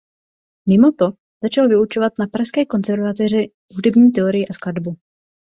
Mimo to začal vyučovat na Pražské konzervatoři hudební teorii a skladbu.